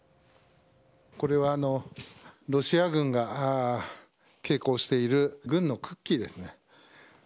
これはロシア軍が携行している軍のクッキーですね。